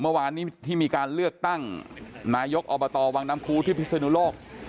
เมื่อวานนี้ที่มีการเลือกตั้งนายกอบตวังน้ำคูที่พิศนุโลก